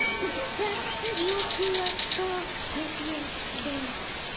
よくやったよくやった。